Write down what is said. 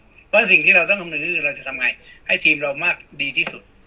เพราะสิ่งที่เราต้องคำนึงคือเราจะทำไงให้ทีมเรามากดีที่สุด